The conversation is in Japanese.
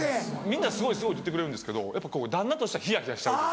みんな「すごいすごい」って言ってくれるんですけどやっぱこう旦那としてはひやひやしたりとか。